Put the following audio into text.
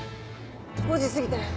５時過ぎてる。